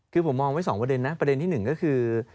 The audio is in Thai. คือผมมองไว้๒ประเด็นนะประเด็นที่๑ก็คือ